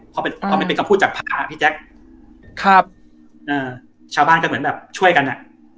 พอเป็นคำพูดจากพระพี่แจ็คชาวบ้านก็เหมือนช่วยกัน